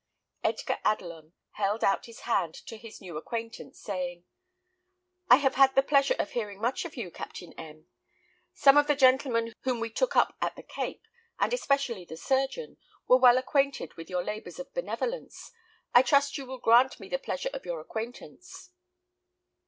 Edgar Adelon held out his hand to his new acquaintance, saying, "I have had the pleasure of hearing much of you, Captain M . Some of the gentlemen whom we took up at the Cape, and especially the surgeon, were well acquainted with your labours of benevolence. I trust you will grant me the pleasure of your acquaintance."